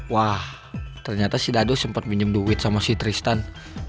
wah ternyata si dado sempat minjem duit sama si tristan